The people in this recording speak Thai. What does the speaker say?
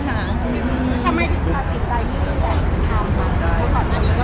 ทำไมสินใจที่แช่งทำ